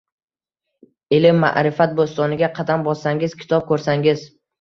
ilm-maʼrifat bo‘stoniga qadam bossangiz, kitob ko‘rsangiz